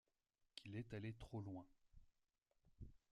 Qu’il est allé trop loin.